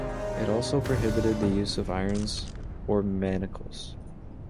It also prohibited the use of irons or manacles.